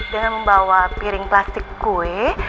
dengan membawa piring plastik kue